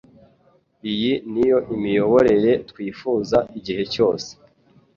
iyi niyo Imiyoborere Twifuza igihe cyose,